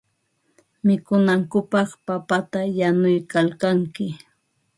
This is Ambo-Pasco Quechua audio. Mikunankupaq papata yanuykalkanki.